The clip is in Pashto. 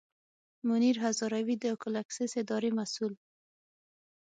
منیر هزاروي د اکول اکسیس اداري مسوول.